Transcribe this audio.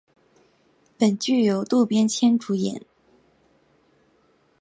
本剧由渡边谦主演。